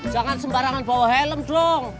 jangan sembarangan bawa helm dong